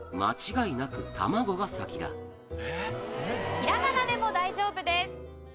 ひらがなでも大丈夫です。